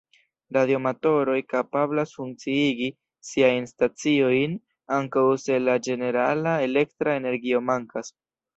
Radioamatoroj kapablas funkciigi siajn staciojn ankaŭ se la ĝenerala elektra energio mankas.